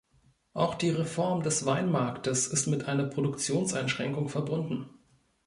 Auch die Reform des Weinmarktes ist mit einer Produktionseinschränkung verbunden.